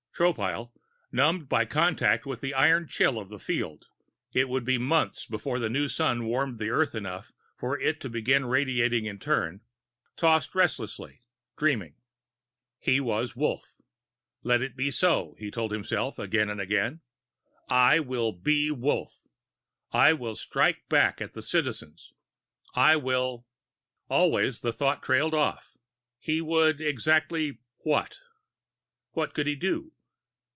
Tropile, numbed by contact with the iron chill of the field it would be months before the new Sun warmed the Earth enough for it to begin radiating in turn tossed restlessly, dreaming. He was Wolf. Let it be so, he told himself again and again. I will be Wolf. I will strike back at the Citizens. I will Always the thought trailed off. He would exactly What? What could he do?